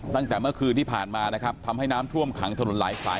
ตั้งแต่เมื่อคืนที่ผ่านมานะครับทำให้น้ำท่วมขังถนนหลายสาย